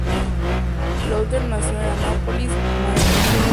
Luther nació en Annapolis, Maryland.